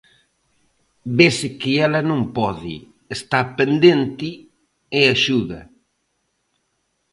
Vese que ela non pode, está pendente e axuda.